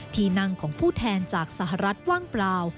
ที่นั่งของผู้แทนจากสหรัฐว่างเปล่า